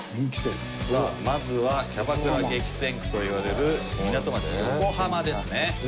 さあまずはキャバクラ激戦区といわれる港町横浜ですね。